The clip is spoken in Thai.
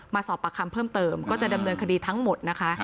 สอบปากคำเพิ่มเติมก็จะดำเนินคดีทั้งหมดนะคะ